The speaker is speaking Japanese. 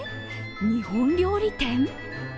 日本料理店！？